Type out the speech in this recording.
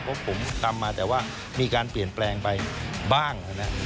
เพราะผมทำมาแต่ว่ามีการเปลี่ยนแปลงไปบ้าง